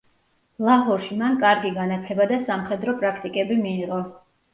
ლაჰორში მან კარგი განათლება და სამხედრო პრაქტიკები მიიღო.